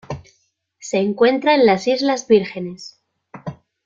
Se encuentra en las Islas Vírgenes.